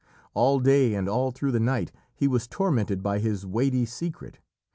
All day and all through the night he was tormented by his weighty secret.